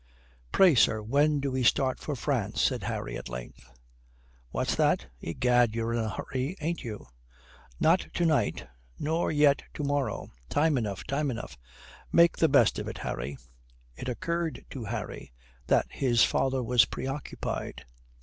"Pray, sir, when do we start for France?" said Harry at length. "What's that? Egad, you're in a hurry, ain't you? Not to night nor yet to morrow. Time enough, time enough. Make the best of it, Harry." It occurred to Harry that his father was preoccupied.